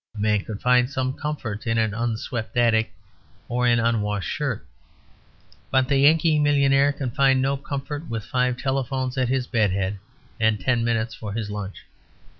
A man could find some comfort in an unswept attic or an unwashed shirt. But the Yankee millionaire can find no comfort with five telephones at his bed head and ten minutes for his lunch.